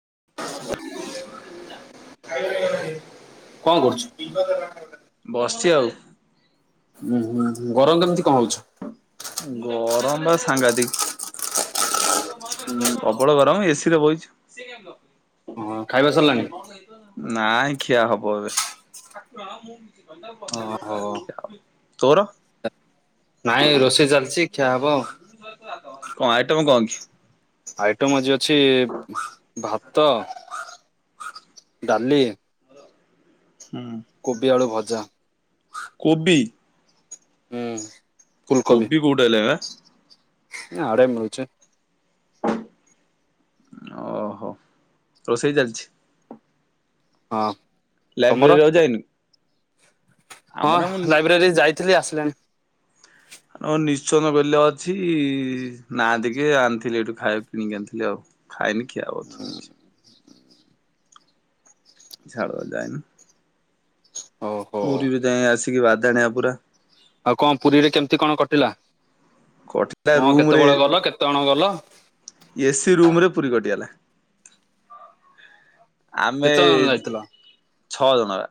ମୁଁ ସେମିତି ଯାନି କଣ କରୁଛୁ? ବସିଛି ଆଉ। ଉୁଁ ହୁଁ ଗରମ କେମିତି କଣ ହଉଛି? ଗରମ ବା ସାଙ୍ଘାତିକ। ପ୍ରବଳ ଗରମ ଏସିରେ ବଇଚୁ। ହଁ ଖାଇବା ସରିଲାଣି? ନାଇଁ ଖିଆ ହବ ଏବେ। କିଏ ଓହୋ ଆଉ ତୋର? ନାଇଁ ରୋଷେଇ ଚାଲିଛି ଖିଆ ହବ। କଣ ଆଇଟମ କଣ କି? ଆଇଟମ୍ ଆଜି ଅଛି ଭାତ, ଡାଲି ହୁଁ। କୋବି ଆଳୁ ଭଜା। କୋବି? ହୁଁ ଫୁଲ୍ କୋବି, କୋଉଠି ହେଲା ବା ଆଡେ ମିଳୁଛି। ଓହୋ ରୋଷେଇ ଚାଲିଛି? ହଁ। ତମର? ଲାଇବ୍ରେରୀ ଆଉ ଯାଇନୁ? ହଁ ଆମର ମୁଁ ଲାଇବ୍ରେରୀ ଯାଇଥିଲି ଆସିଲିଣି। ଅ ନିଶ୍ଚନ୍ଦ ବେଲେ ଅଛି ନାନ୍ ଟିକେ ଆଣିଥିଲି ଏଠୁ ଖାଇବା କିଣିକି ଆଣିଥିଲି ଆଉ। ଖାଇନି ଖିଆ ହବ ଥୁଆହେଇଛି। ଛାଡ ଯାଇନୁ? ଓହୋ ପୁରୀରୁ ଯାଇଁ ଆସିକି ବାଦାଣିଆ ପୁରା। ଆଉ କଣ ପୁରୀରେ କେମିତି କଣ କଟିଲା କଟିଲା କଣ କେତେବେଳେ ଗଲ କେତେ ଜଣ ଗଲ? ଏସିି ରୁମ ରେ ପୁରୀ କଟିଗଲା। ଆମେ କେତେ ଜଣ ଯାଇଥିଲ? ଛଅ ଜଣ ବା।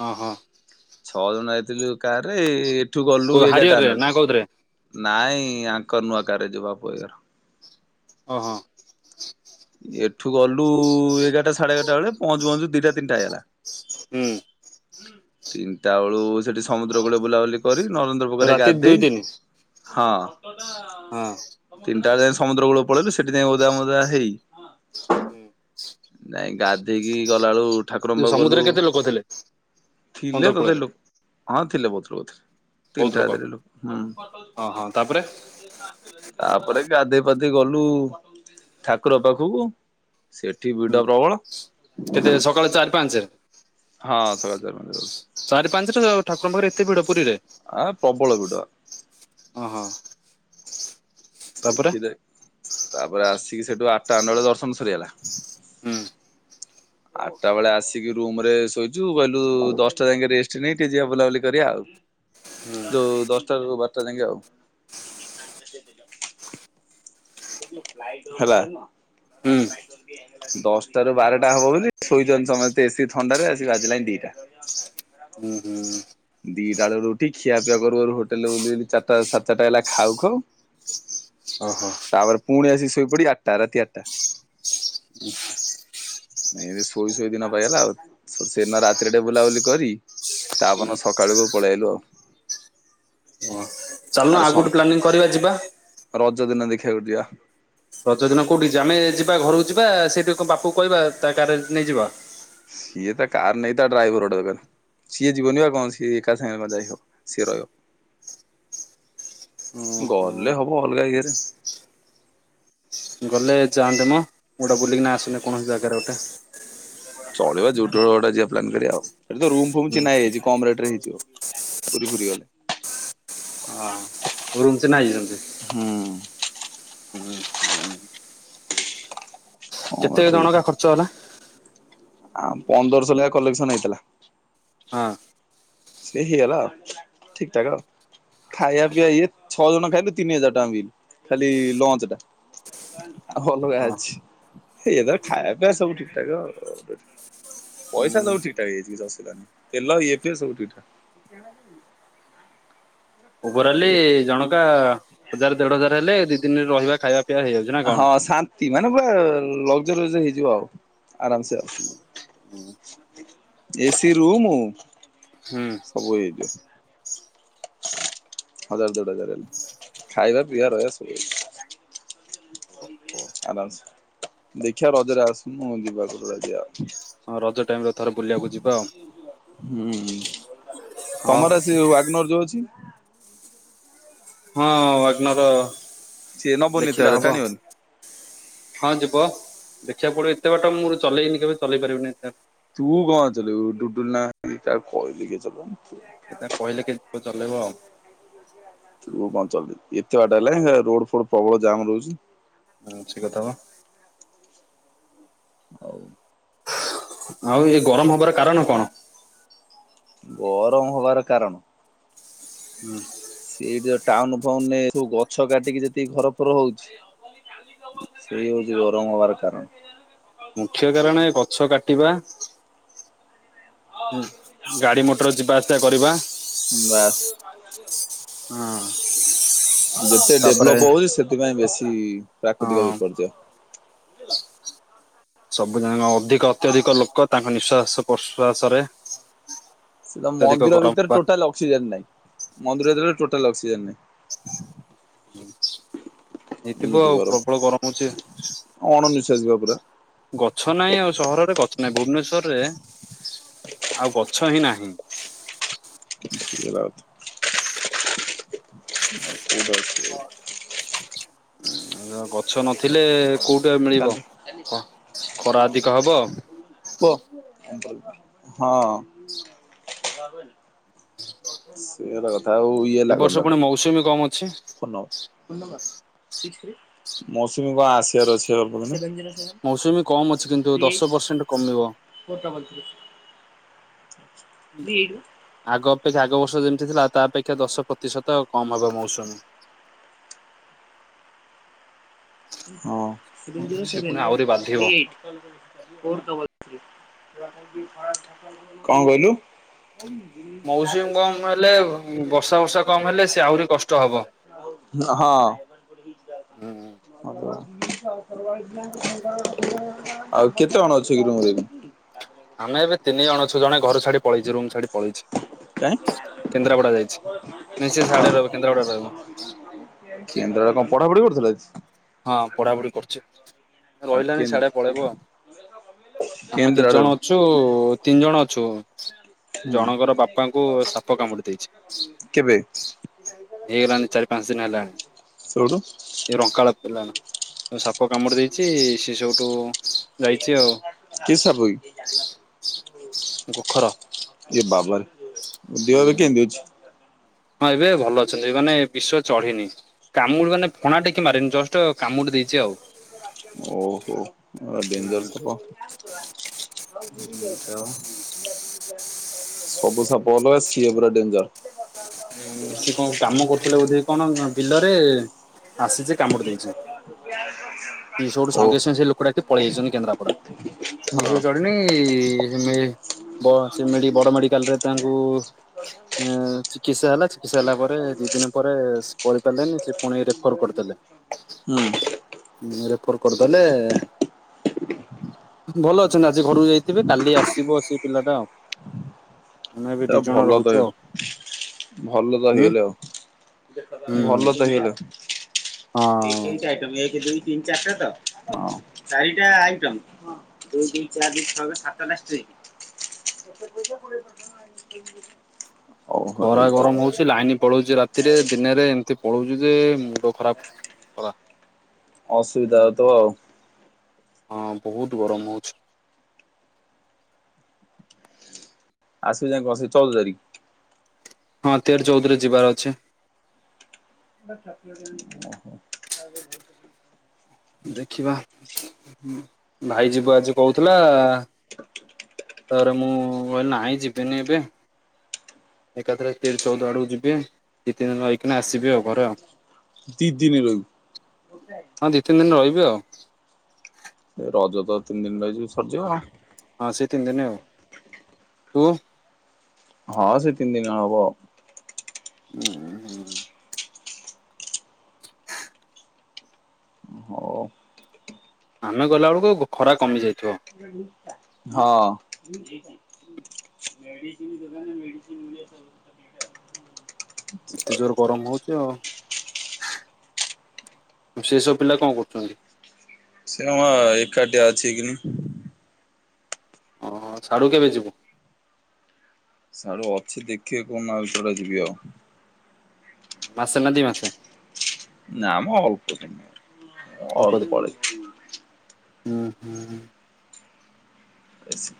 ହଁ ହଁ। ଛଅ ଜଣ ଯାଇଥିଲୁ କାର୍ ରେ ଏଠୁ ଗଲୁ କୋଉ ହାରିଅରରେ ଏଗାରଟାନଡେ। ନା କୋଉଥିରେ? ନାଇଁ ଆଙ୍କ ନୂଆ କାରେ ଯିବା ପୟର। ହଁ ହଁ। ଏଠୁ ଗଲୁ ଏଗାରଟା ସାଢେ ଏଗାରଟା ବେଳେ ପହଞ୍ଚୁ ପହଞ୍ଚୁ ଦିଟା ତିନିଟା ହେଇଗଲା। ହୁଁ। ତିନିଟା ବେଳୁ ସେଠି ସମୁଦ୍ରକୂଳେ ବୁଲାବୁଲି କରି ନରେନ୍ଦ୍ର ପୋଖରୀରେ ରାତି ଦୁଇ ଗାଧେଇ, ତିନି ହଁ। ହଁ। ତିନିଟା ବେଳେ ସମୁଦ୍ର କୂଳ କୁ ପଳେଇଲୁ ସେଠି ଯାଇଁ ଓଦା ମଦା ହେଇ ହୁଁ। ଯାଇଁ ଗାଧେଇକି ଗଲାବେଳୁ ଠାକୁରଙ୍କ ପାକୁ ଗଲୁ, ସମୁଦ୍ରରେ କେତେ ଲୋକ ଥିଲେ ଥିଲେ ସମୁଦ୍ର ତଥାପି କୂଳରେ? ଲୋକ, ହଁ ଥିଲେ ବୋହୁତ୍ ଲୋକ ଥିଲେ। ତିନଟା ରାତିରେ ଲୋକ, ହଁ ହଁ ତାପରେ ହୁଁ। ତାପରେ ଗାଧେଇ ଫାଧେଇ ଗଲୁ ଠାକୁର ପାଖକୁ ସେଠି ଭିଡ଼ ପ୍ରବଳ। କେତେ ସକାଳେ ଚାରି ପାଞ୍ଚେ? ହଁ ସକାଳ ଚାରି ପାଞ୍ଚଟା ବେଳୁ। ଚାରି ପାଞ୍ଚ ରେ ଠାକୁରଙ୍କ ପାଖରେ ଏତେ ଭିଡ଼ ପୁରୀରେ? ଆ ପ୍ରବଳ ଭିଡ଼। ଅହୋ। ଦେଖି ଦେ ତାପରେ ଆସିକି ସେଠୁ ଆଟା ନଅଟା ବେଳ ଦର୍ଶନ ସରିଗଲା। ହୁଁ। ଆଠଟା ବେଳେ ଆସିକି ରୁମ୍ ରେ ଶୋଇଚୁ ଗଲୁ ଦଶଟା ଯାଇକି ରେଷ୍ଟ ନେଇ ଟିକେ ଯିବା ବୁଲାବୁଲି କରିବା ଆଉ। ଯୋଉ ଦଶଟାରୁ ବାରଟା ଯାକେ ଆଉ। କ ସେଥିଲା [unintelligible] ହେଲା। ହୁଁ ଦଶଟା ରୁ ବାରଟା ହବ ବୋଲି ଶୋଇଛନ୍ତି ସମସ୍ତେ ଏସି ଥଣ୍ଡାରେ ଆସି ବାଜିଲାଣି ଦିଟା। ହୁଁ ହୁଁ ଦିଟା ବେଳରୁ ଉଠି ଖିଆପିଆ କରୁ କରୁ ହୋଟେଲ ବୁଲି ବୁଲି, ଚାରିଟା ସାଡେ ଚାରିଟା ହେଲା ଖାଉ ଖାଉ। ଓହୋ। ତାପରେ ପୁଣି ଆସି ଶୋଇପଡି ଆଟା ରାତି ଆଟା। ନାଇଁ ଏ ଶୋଇ ଶୋଇ ଦିନ ପାଇଗଲା ଆଉ। ସେଦିନ ରାତିରେ ଟିକେ ବୁଲାବୁଲି କରି ତା ପର ଦିନ ସକାଳୁକୁୁ ପଳେଆଇଲୁ ଆଉ। ଓ ଚାଲୁନ ଆରେ ଆଉ ସ ଗୋଟେ ପ୍ଲାନିଂ କରିବା ଯିବା। ରଜ ଦିନ ଦେଖିବାକୁ ଯିବା। ରଜ ଦିନ କୋଉଠିକି ଯିଆ ଆମେ ଯିବା ଘରକୁ ଯିବା ସେଇଠି ବାପୂକୁ କହିବା ତା କାରେ ନେଇଯିବ। ସିଏ ତା କାର ନେଇ ତା ଡ୍ରାଇଭର ଗୋଟେ ଦରକାର। ସିଏ ଯିବନି ବା କଣ ସିଏ ଏକା ସାଙ୍ଗ କଣ ଯାଇ ହ ସିଏ ରହିବ। ଓହୋ ଗଲେ ହବ ଅଲଗା ଇଏରେ। ଗଲେ ଯାଆନ୍ତେ ମଁ ଗୋଟେ ବୁଲିକିନା ଆସନେ କୌଣସି ଜାଗାରେ ଗୋଟେ। ଚଳିବ ଯୋଉଟିର ଗୋଟେ ଯିଆ ପ୍ଲାନ୍ କରିବା ଆଉ। ସେଠୀ ତ ରୁମ୍ ଫୁମ୍ ଚିହ୍ନା ହେଇଯାଇଛି। କମ୍ ରେଟ୍ ରେ ହେଇଯିବ ପୁରୀ ଫୁରୀ ଗଲେ। ରୁମ୍ ଚିହ୍ନା ହେଇଯିବ। ହୁଁ। ଉଁ ହୁଁ। କଣ କରୁଛ କି? ଆ ପନ୍ଦରଶ ଲେଖା କଲେକ୍ସନ୍ ହେଇଥିଲା। ହାଁ। ସେ ହେଇଗଲା ଆଉ ଠିକ୍ ଠାକ୍ ଆଉ। ଖାଇବା ପିଇବା ଇଏ ଛଅ ଜଣ ଖାଇଲୁ ତିନି ହଜାର ଟଙ୍କା ବିଲ୍ ଖାଲି ଲଞ୍ଚ ଟା। ଆଲଗା ହଁ ଅଛି ଏ ତାର ଖାଇବା ପିବା ସବୁ ଠିକ୍ ଠାକ୍ ଆଉ। ପଇସା ସବୁ ଠିକ୍ ଠାକ୍ ହେଇଯାଇଛି କିଛି ଅସୁବିଧା ନାଁହି। ତେଲ ଇଏ ପିଏ ସବୁ ଠିକ୍ ଠାକ୍। ଓଭରାଲି ଜଣକା ହଜାର ଦେଢ ହଜାର ହେଲେ ଦି ତିନ୍ ରହିବା ଖାଇବା ପିଇବା ହେଇଯାଉଛି ନା କଣ? ହଁ ଶାନ୍ତି ମାନେ ପୁରା ଲଗଜରସ୍ ହେଇଯିବ ଆଉ ଆରାମ୍ ସେ ଆଉ। ଏସି ରୁମ୍ ହୁଁ ସବୁ ହେଇ ଥିବ। ହଜାର ଦେଢ ହଜାର ଏମିତି। ଖାଇବା ପିଇବା ରହିବା ସବୁ ହେଇଯିବ। ଓ ହୋ। ଆରାମସେ। ଦେଖିବା ରଜରେ ଆସୁନୁ ଯିବା କୁଆଡେ ଗୋଟେ ଯିବା। ହଁ ରଜ ଟାଇମ୍ ରେ ଥରେ ବୁଲିବାକୁ ଯିବା ଆଉ। ହୁଁ ତମର ସେ ୱାଗ୍ନୋର ଯୋଉ ଅଛି। ହଁ ୱାଗ୍ନର ସିଏ ନବନି ଏତେ ବାଟ ଦେଖିଲେ ହବ। ଟାଣିବନି। ହଁ ଯିବ ଦେଖିବାକୁ ପଡିବ ଏତେ ବାଟ ମୁଁ ଚଲେଇନି କେବେ ଚଲେଇ ପାରିବିନି ଏତେ। ତୁ କଣ ଚଲେଉ ଡୁଡୁଲୁ ନାହାନ୍ତି ତାକୁ କହିଲେ କିଏ ଚଲେଇବ। ଏ ତାଙ୍କୁ କହିଲେ କିଏ ଚଲେଇବ ଆଉ। ତୁ କଣ ଚଲେଇଉ ଏତେ ବାଟ ହେଲେ ରୋଡ ଫୋଡ୍ ପ୍ରବଳ ଜାମ୍ ରହୁଛି। ହୁଁ ସେଇ କଥା ପା। ଆଉ ଆଉ ଏ ଗରମ ହବାର କାରଣ କଣ? ଗରମ ହବାର କାରଣ ହୁଁ। ସେ ଯା ଟାଉନ ଫାଉନରେ ସବୁ ଗଛ କାଟିକି ଯେତିକି ଘର ଫର ହଉଛି ସେଇ ହଉଛି ଗରମ ହବାର କାରଣ। ମୁଖ୍ୟ କାରଣ ଏ ଗଛ କାଟିବା। ହୁଁ ଗାଡି ମଟର ଯିବା ଆସିବା କରିବା। ବାସ୍। ହଁ। ଯେତେ ତାପରେ ଡେଭଲପ ହଉଛି ସେଥିପାଇଁ ବେଶୀ ପ୍ରାକୃତିକ ହଁ ବିପର୍ଯ୍ୟ। ସବୁ ଜାନ ଅଧିକ ଅତ୍ୟଧିକ ଲୋକ ତାଙ୍କ ନିଃଶ୍ଵାସ ପ୍ରଶ୍ଵାସରେ ସେ ଅତ୍ୟଧିକ ମନ୍ଦିର ଗରମ ଭିତରେ ବା ଟୋଟାଲ ଅସିକ୍ସଜେନ୍ ନାଇଁ। ମନ୍ଦିର ଭିତରେ ଟୋଟାଲ ଅସିକ୍ସଜେନ ନାଇଁ। ହେଇଥିବ ଏମିତି ଆଉ ଗରମ। ପ୍ରବଳ ହଉଛି। ଅଣନିଶ୍ୱାସୀ ଭାବରେ। ଗଛ ନାହିଁ ଆଉ ସହରରେ ଗଛ ନାହିଁ। ଭୁବନେଶ୍ୱର ରେ ଆଉ ଗଛ ହିଁ ନାହିଁ। [unintelligible] [unintelligible] ଗଛ ନଥିଲେ କୋଉଟା ରେ ମିଳିବ କାଲି ହଁ ଖରା ଅଧିକ ହବ। କୁହ ହଁ। ସିଏ ହେଲା କଥା ଆଉ ଇଏ ଏ ହେଲା ବର୍ଷ ଗଧ ପୁଣି ମୌସୁମୀ କମ ଅଛି। ମୌସୁମୀ କଣ ଆସିବାର ଅଛି କହୁଛନ୍ତି। ମୌସୁମୀ କମ ଅଛି କିନ୍ତୁ ଦଶ ପରସେଣ୍ଟ କମିବ। [unintelligible] ଆଗ ଅପେକ୍ଷା ଆଗ ବର୍ଷ ଯେମିତି ଥିଲା ତା ଅପେକ୍ଷା ଦଶ ପ୍ରତିଶତ କମ ହବ ମୌସୁମୀ। ହଁ। ସିଏ କଣ ପୁଣି ଆହୁରି ବାଧିବ। କହିଲୁ? ମୌସୁମୀ କମ ହେଲେ ବର୍ଷା ବର୍ଷା କମ ହେଲେ ସେ ଆହୁରି କଷ୍ଟ ହବ। [inaudible] ହଁ। [unintelligible] [inaudible] ହୁଁ ଆଉ କେତେ କଣ ଅଛ କି ରୁମ୍ ରେ? ଆମେ ଏବେ ତିନି ଜଣ ଅଛୁ। ଜଣେ ଘର ଛାଡି ପଳେଇଛି। ରୁମ୍ ଛାଡି ପଳେଇଛି। କାଇଁ କେନ୍ଦ୍ରାପଡା ଯାଇଛି। ନାଇଁ ସେ ସିଆଡେ ରହିବ କେନ୍ଦ୍ରାପଡା ରେ ରହିବ। କେନ୍ଦ୍ରରେ କଣ ପଢାପଢି କରୁଥିଲା କି? ହଁ ପଢାପଢି କରୁଛି। ଆଉ କେ ରହିଲାନି ସିଆଡେ ପଳେଇବଉ ଆମେ ଦି କେନ୍ଦ୍ରାରେ ହୁଁ ଜଣ ଅଛୁ। ତୁ ତିନି ଜଣ ଅଛୁ। ଜଣଙ୍କର ବାପାଙ୍କୁ ସାପ କାମୁଡି ଦେଇଛି। କେବେ ହେଇଗଲାଣି ଚାରି ପାଞ୍ଚ ଦିନ ହେଲାଣି। ସେଡୁ? ଏ ରଙ୍କାଳ ଥିଲା ସେ ସାପ କାମୁଡି ଦେଇଛି ସେ ସେଇଠୁ କି ସାପ କି? ଗୋଖର ଏ ବାବର ଦିଅ ଏବେ କେନ୍ତି ଅଛି? ହଁ ଏବେ ଭଲ ଅଛନ୍ତି ମାନେ ବିଶ ଚଢିନି। କାମୁଡି ମାନେ ଫଣା ଟେକି ମାରିନି ଜଷ୍ଟ କାମୁଡି ଦେଇଛି ଆଉ। ଓହୋ। ଆ ଡେଞ୍ଜର ସାପ। ସବୁ ସାପ ଅଲଗା ସିଏ ପୁରା ଡେଞ୍ଜର। ଉଁ ସିଏ କଣ କାମ କରୁଥିଲେ ବୋଧେ କି କଣ ବିଲରେ ଆସିଛି କାମୁଡ଼ି ଦେଇଛି। ସୁଠୁ ଓ ସଙ୍ଗେ ସଙ୍ଗେ ସେ ଲୋକଟାଏ ପଳେଇ ଯାଇଛନ୍ତି କେନ୍ଦ୍ରାପଡ଼ା। ହଁ ବିଷ ଚଢ଼ିନି ସେ ବ ସେ ବଡ଼ ମେଡିକାଲରେ ତାଙ୍କୁ ଚିକିତ୍ସା ହେଲା ଚିକିତ୍ସା ହେଲା ପରେ ଦି ଦିନ ପରେ କହି ପାରିଲେନି। ସେ ପୁଣି ରେଫର୍ କରିଦେଲେ। ହୁଁ। ହଁ ରେଫର୍ କରିଦେଲେ ଭଲ ଅଛନ୍ତି। ଆଜି ଘରକୁ ଯାଇଥିବେ। କାଲି ଆସିବ ସେ ପିଲାଟା ଆଉ। ଆମେ ଏବେ ଦି ତା ଜଣ ଭଲ ତ ରହୁଛୁ ଆଉ ଭଲ ତ ହୁଁ ହେଇଗଲେ ଆଉ। ହୁଁ ଭଲ ତ ହେଇଗଲେ। ହଁ। ଏଇ ତିନି ଟା ଆଇଟମ। ଏକ ଦୁଇ ତିନି ଚାରିଟା ତ ଚାରିଟା ଆଇଟମ। ଦୁଇ ଦୁଇ ଚାରି ଛଅ କେ ସାତଟା ଷ୍ଟ୍ରିଂ। ଓହୋ ଖରା ଏଇ ତ ଗରମ ହଉଛି ଲାଇନ ପଳଉଛି ରାତିରେ ଦିନରେ ଏମିତି ପଳଉଛୁ ଯେ ମୁଣ୍ଡ ଖରାପ। ଖରା ଅସୁବିଧା ହଉ ଥିବ ଆଉ। ହଁ ବହୁତ ଗରମ ହଉଛି। ଆସୁଛେ। [unintelligible] ହଁ ତେର ଚଉଦ ରେ ଯିବାର ଅଛି। ଓହୋ। ଦେଖିବା ଭାଇ ଯିବ ଆଜି କହୁଥିଲା ତାପରେ ମୁଁ କହିଲି ନାହିଁ ଯିବିନି ଏବେ ଏକାଥରେ ତେରିି ଚଉଦ ଆଡକୁ ଯିବି ଦି ତିିନି ଦିନ ରହିକି ଆସିବି ଆଉ ଘରେ ଆଉ। ଦି ଦିନ ରହିବୁ? ହଁ ଦି ତିନି ଦିନ ରହିବି ଆଉ। ଏ ରଜ ତ ତିନି ଦିନ ରହି ଯିବୁ ସରିଯିବ ଆଉ। ହଁ ସେ ତିନି ଦିନ ଆଉ ତୁ? ହଁ ସେ ତିନି ଦିନି ହବ। ଉ ହୁଁ। ହଉ ଆମେ ଗଲାବେଳକୁ ଖରା କମିଯାଇଥିବ। ହଁ। ଏତେ ସେୟା ଜୋର କଥା। ଗରମ ହଉଛି ଆଉ। ସେ ସବୁ ପିଲା କଣ କରୁଛନ୍ତି? ସେ କଣ ଏକାଠିଆ ଅଛି କିନି। ହଁ ସାଡ଼ୁ କେବେ ଯିବୁ? ସେଆଡୁ ଅଛି ଦେଖିବାକୁ ମାଲପଡ଼ା ଯିବି ଆଉ। ମାସେ ନା ଦି ମାସେ? ନା ମ ଅଳ୍ପ ଦିନ ଅଳ୍ପ ଅ ହୁଁ ହୁଁ। ଏସ୍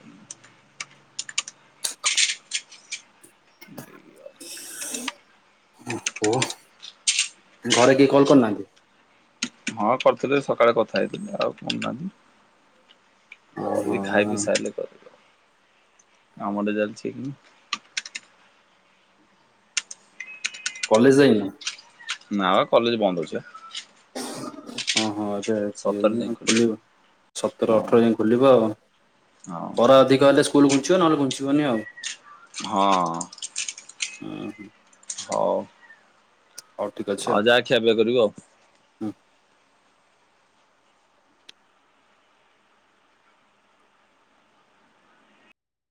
ଓହୋ ଘରେ କେହି କଲ୍ କରୁନାହାନ୍ତି? ହଁ କରିଥିଲି ସକାଳେ କଥା ହେଇଥିଲି। ଆଉ କହୁନାହାନ୍ତି। ଓହୋ କରିବି ଖାଇ ପିଇ ସାରିଲେ କରିଲେ କାମଟା ଚାଲିଛି କି କଲେଜ ଯାଇନୁ? ନା ବା କଲେଜ ବନ୍ଦ ଅଛି ବା। ହଁ ହଁ ଏବେ ସତରେ ଯାଇ [unintelligible] ଖୋଲିବ ସତର ହଁ। ଅଠର ଯାଏ ଖୋଲିବ ଅ। ହଁ ଖରା ଅଧିକ ହେଲେ ସ୍କୁଲ ଘୁଞ୍ଚିବ ନହେଲେ ଘୁଞ୍ଚିବନି ଆଉ। ହଁ। ହୁଁ। ହ। ହଉ ଠିକ୍ ଅଛି ଆଉ। ଖିଆ ପିଆ କରିବ ଆଉ।